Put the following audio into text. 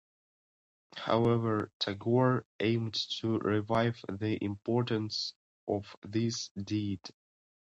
However, Tagore aimed to revive the importance of this deed.